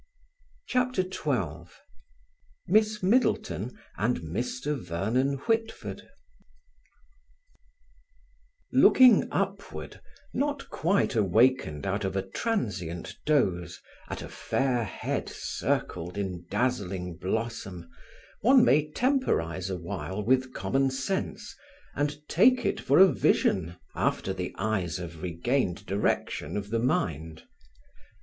CHAPTER XII MISS MIDDLETON AND MR. VERNON WHITFORD Looking upward, not quite awakened out of a transient doze, at a fair head circled in dazzling blossom, one may temporize awhile with common sense, and take it for a vision after the eyes have regained direction of the mind.